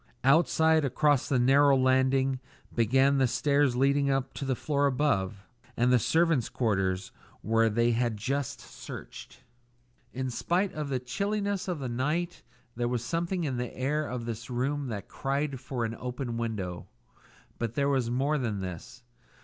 Outside, across the narrow landing, began the stairs leading up to the floor above, and the servants' quarters where they had just searched. In spite of the chilliness of the night there was something in the air of this room that cried for an open window. But there was more than this.